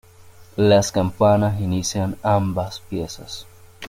Las campanas inician ambas piezas.